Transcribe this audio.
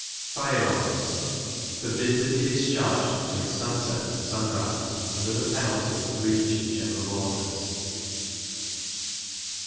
Fire arms forbid to be discharged between sun set and sun rise, under the penalty of a breach of general orders.